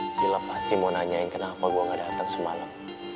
sila pasti mau nanyain kenapa gue gak datang semalam